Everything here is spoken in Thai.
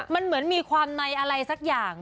มันเหมือนมีความในอะไรสักอย่าง